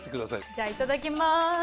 じゃいただきます。